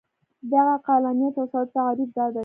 د عقلانیت یو ساده تعریف دا دی.